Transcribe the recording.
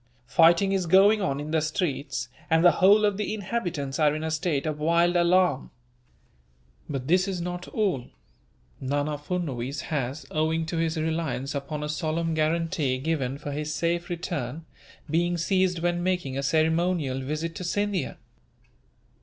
Fighting is going on in the streets, and the whole of the inhabitants are in a state of wild alarm. "But this is not all. Nana Furnuwees has, owing to his reliance upon a solemn guarantee given for his safe return, been seized when making a ceremonial visit to Scindia."